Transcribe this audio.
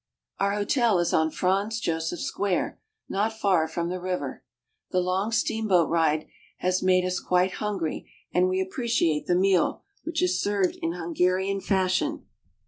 Our hotel is on Franz Joseph Square, not far from the river. The long steamboat ride has made us quite hungry, and we appreciate the meal, which is served in Hungarian fashion.